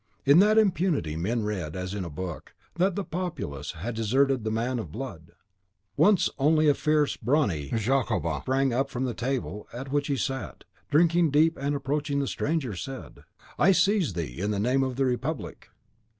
In that impunity men read, as in a book, that the populace had deserted the man of blood. Once only a fierce, brawny Jacobin sprang up from the table at which he sat, drinking deep, and, approaching the stranger, said, "I seize thee, in the name of the Republic."